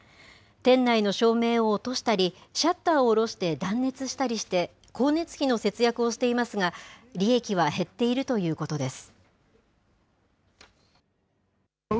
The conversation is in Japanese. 店内の照明を落としたり、シャッターを下ろして断熱したりして、光熱費の節約をしていますが、利益は減っているということです。